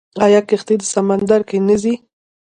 آیا کښتۍ په سمندر کې نه ځي؟